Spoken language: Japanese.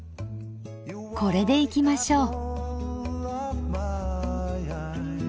これでいきましょう。